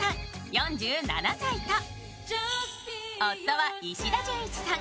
４７歳と夫は石田純一さん